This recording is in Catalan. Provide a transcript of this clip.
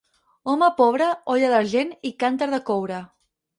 Home pobre, olla d'argent i cànter de coure.